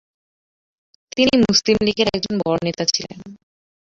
তিনি মুসলিমলীগের একজন বড় নেতা ছিলেন।